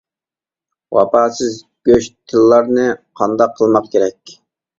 ۋاپاسىز گۆش تىللارنى قانداق قىلماق كېرەك؟ !